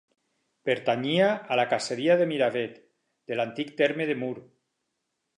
Pertanyia a la caseria de Miravet, de l'antic terme de Mur.